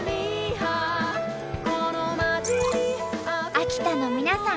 秋田の皆さん